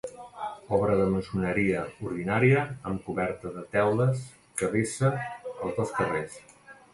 Obra de maçoneria ordinària, amb coberta de teules que vessa als dos carrers.